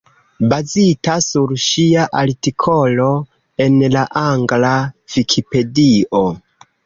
Bazita sur ŝia artikolo en la angla Vikipedio.